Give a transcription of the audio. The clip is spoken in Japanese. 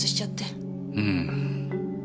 うん。